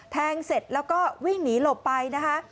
แทงเสร็จแล้วก็วิ่งหนีหลบไปนะคะ